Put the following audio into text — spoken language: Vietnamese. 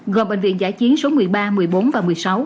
gồm bệnh viện giã chiến số một mươi ba một mươi bốn và một mươi sáu